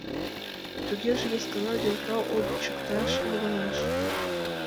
Тугеже вес гана нӧлтал ончыкташ логалеш!